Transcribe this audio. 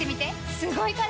すごいから！